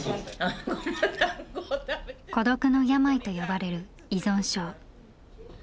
「孤独の病」と呼ばれる依存症。